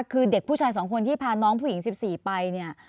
คือเด็กผู้ชาย๒คนที่พาน้องผู้หญิง๑๔ไปเนี่ย